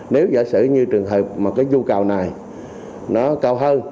nếu giả sử như trường hợp mà cái du cào này nó cao hơn